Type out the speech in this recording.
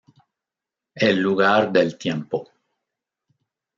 El lugar del tiempo.